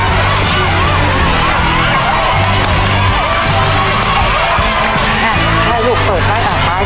ให้ลูกเติบไปอ่ะ